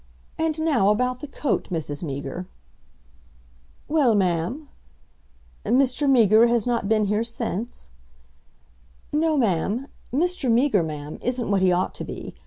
"And now about the coat, Mrs. Meager." "Well, Ma'am?" "Mr. Meager has not been here since?" "No, Ma'am. Mr. Meager, Ma'am, isn't what he ought to be.